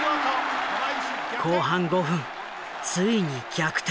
後半５分ついに逆転。